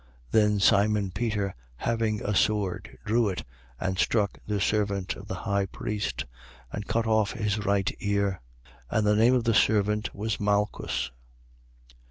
18:10. Then Simon Peter, having a sword, drew it and struck the servant of the high priest and cut off his right ear. And the name of thee servant was Malchus.